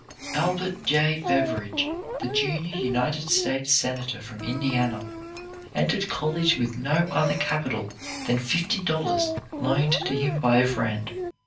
Albert J. Beveridge, the junior United States Senator from Indiana, entered college with no other capital than fifty dollars loaned to him by a friend.